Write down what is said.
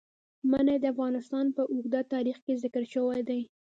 منی د افغانستان په اوږده تاریخ کې ذکر شوی دی.